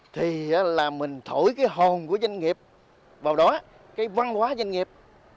thì là mình thổi cái hồn của doanh nghiệp vào đó cái văn hóa doanh nghiệp